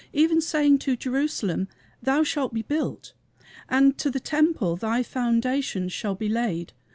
Even saying to Jerusalem, Thou shalt be built; And to the Temple, Thy foundations shall be laid.